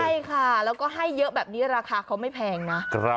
ใช่ค่ะแล้วก็ให้เยอะแบบนี้ราคาเขาไม่แพงนะ